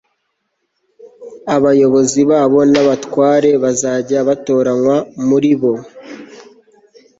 abayobozi babo n'abatware bazajya batoranywa muri bo